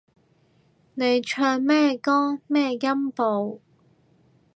你唱咩歌咩音部